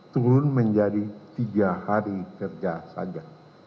turun menjadi tiga hari kerja saja